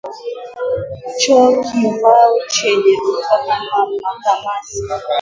Choo kikavu chenye ute kama makamasi